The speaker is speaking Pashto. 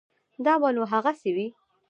دا به نو هغسې وي.